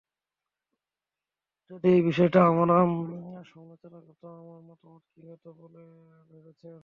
যদি এই বিষয়টা আমরা আলোচনা করতামও, আমার মতামত কী হতো বলে ভেবেছেন?